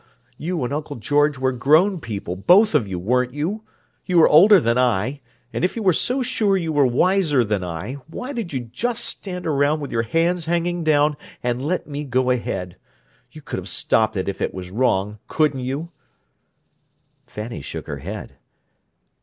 You and Uncle George were grown people, both of you, weren't you? You were older than I, and if you were so sure you were wiser than I, why did you just stand around with your hands hanging down, and let me go ahead? You could have stopped it if it was wrong, couldn't you?" Fanny shook her head.